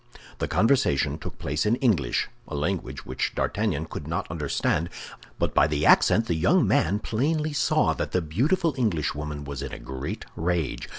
The conversation took place in English—a language which D'Artagnan could not understand; but by the accent the young man plainly saw that the beautiful Englishwoman was in a great rage.